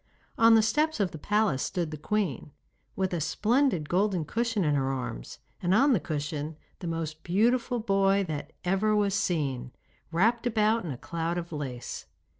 On the steps of the palace stood the queen, with a splendid golden cushion in her arms, and on the cushion the most beautiful boy that ever was seen, wrapped about in a cloud of lace.